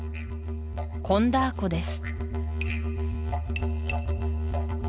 コンダー湖です